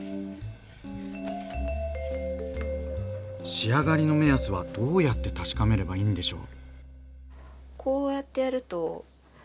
仕上がりの目安はどうやって確かめればいいんでしょう？